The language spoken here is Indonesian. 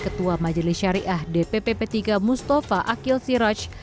ketua majelis syariah dpp p tiga mustafa akhil siraj